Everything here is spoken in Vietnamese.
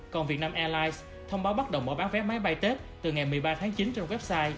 còn vietnam airlines thông báo bắt đầu mở bán vé máy bay tết từ ngày một mươi ba tháng chín trong website